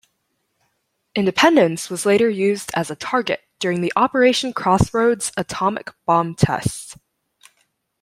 "Independence" was later used as a target during the Operation Crossroads atomic bomb tests.